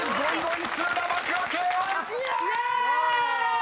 イェーイ！